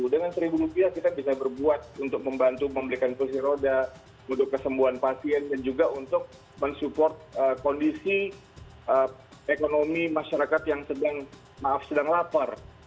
dengan seribu rupiah kita bisa berbuat untuk membantu membelikan kursi roda untuk kesembuhan pasien dan juga untuk mensupport kondisi ekonomi masyarakat yang sedang lapar